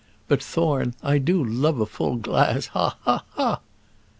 But, Thorne, I do love a full glass, ha! ha! ha!"